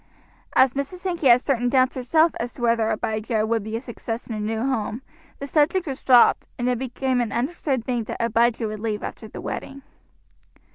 As Mrs. Sankey had certain doubts herself as to whether Abijah would be a success in the new home, the subject was dropped, and it became an understood thing that Abijah would leave after the wedding.